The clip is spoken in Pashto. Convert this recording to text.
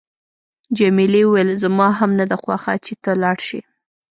جميلې وويل: زما هم نه ده خوښه چې ته لاړ شې.